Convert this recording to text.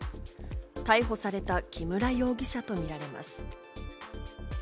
逮捕された木村容疑者とみられます。